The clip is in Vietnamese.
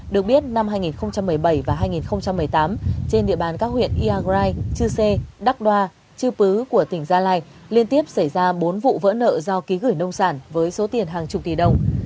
được biết năm hai nghìn một mươi bảy và hai nghìn một mươi tám trên địa bàn các huyện iagrai chư sê đắk đoa chư pứ của tỉnh gia lai liên tiếp xảy ra bốn vụ vỡ nợ do ký gửi nông sản với số tiền hàng chục tỷ đồng